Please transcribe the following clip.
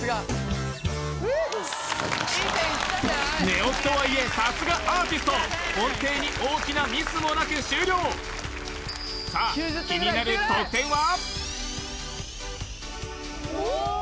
寝起きとはいえさすがアーティスト音程に大きなミスもなく終了さあ気になる得点は？